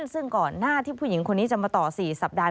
ซึ่งก่อนหน้าที่ผู้หญิงคนนี้จะมาต่อ๔สัปดาห